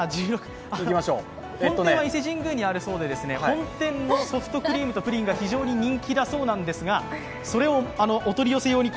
伊勢神宮にあるそうで本店のソフトクリームとプリンが非常に人気だそうなんですがそれをお取り寄せ用に。